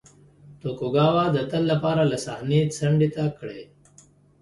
توکوګاوا د تل لپاره له صحنې څنډې ته کړي.